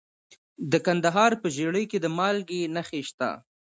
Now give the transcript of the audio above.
د کندهار په ژیړۍ کې د مالګې نښې شته.